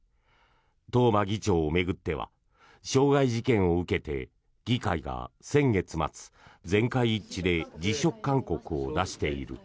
東間議長を巡っては傷害事件を受けて議会が先月末、全会一致で辞職勧告を出している。